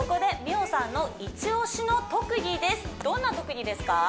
どんな特技ですか？